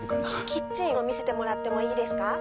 キッチンを見せてもらってもいいですか？